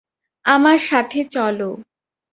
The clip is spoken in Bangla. আমার সাথে চলো।